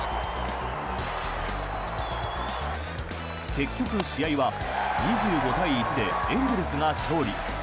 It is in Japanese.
結局、試合は２５対１でエンゼルスが勝利。